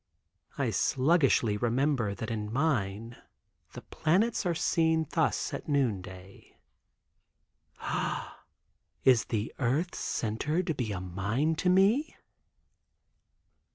I sluggishly remember that in a mine the planets are seen thus at noon day. Ah! is the earth's center to be a mine to me?